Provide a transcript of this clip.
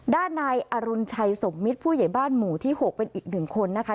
ด้านนายอรุณชัยสมมิตรผู้ใหญ่บ้านหมู่ที่๖เป็นอีกหนึ่งคนนะคะ